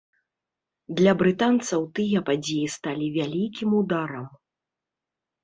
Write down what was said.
Для брытанцаў тыя падзеі сталі вялікім ударам.